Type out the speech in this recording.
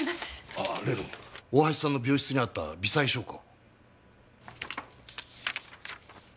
ああ例の大橋さんの病室にあった微細証拠。